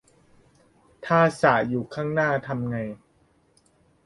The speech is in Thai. ถ้าสระอยู่ข้างหน้า ทำไง